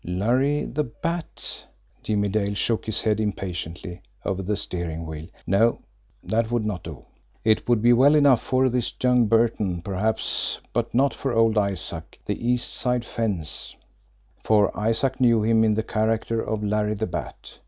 Larry the Bat? Jimmie Dale shook his head impatiently over the steering wheel. No; that would not do. It would be well enough for this young Burton, perhaps, but not for old Isaac, the East Side fence for Isaac knew him in the character of Larry the Bat.